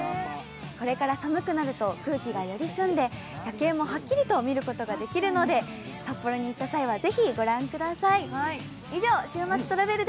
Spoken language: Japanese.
これから寒くなると空気がより澄んで夜景もはっきり見ることができるので札幌に行った際はぜひお立ち寄りください。